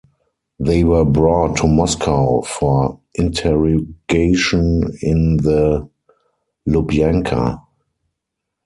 They were brought to Moscow for interrogation in the Lubyanka.